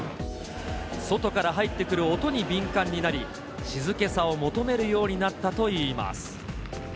外から入ってくる音に敏感になり、静けさを求めるようになったといいます。